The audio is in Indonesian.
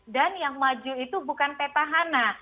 dan yang maju itu bukan peta hana